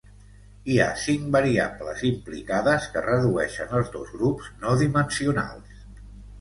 Hi ha cinc variables implicades que redueixen els dos grups no dimensionals.